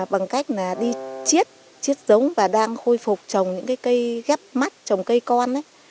bằng cách đi chiết chết giống và đang khôi phục trồng những cây ghép mắt trồng cây con